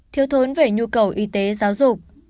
thiếu thốn về nhu cầu y tế giáo dục